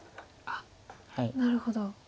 あっなるほど。